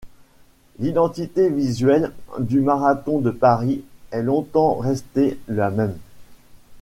L'identité visuelle du Marathon de Paris est longtemps restée la même.